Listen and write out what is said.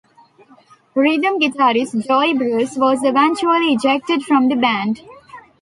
Rhythm guitarist Joey Bruce was eventually ejected from the band.